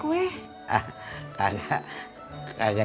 ya udah saya masuk pagi ya